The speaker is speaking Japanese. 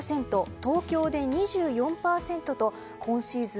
東京で２４％と今シーズン